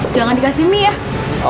jangan dikasih mie ya